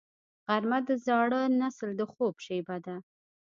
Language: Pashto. غرمه د زاړه نسل د خوب شیبه ده